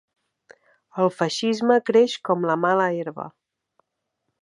El feixisme creix com la mala herba.